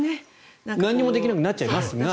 何もできなくなっちゃいますが。